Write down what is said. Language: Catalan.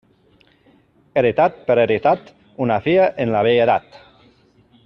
Heretat per heretat, una filla en la velledat.